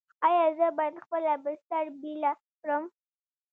ایا زه باید خپله بستر بیله کړم؟